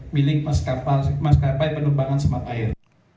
milik mas kapal penerbangan smart air